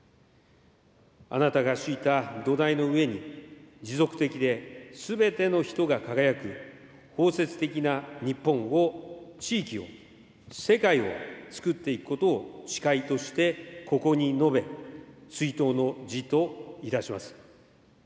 あなたが敷いた土台の上に持続的ですべての人が輝く包摂的な日本を地域を、世界をつくっていくことを誓いとしてここに述べ、追悼の辞といたします。